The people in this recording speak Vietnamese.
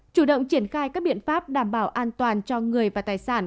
chủ động triển khai các biện pháp đảm bảo an toàn cho người và tài sản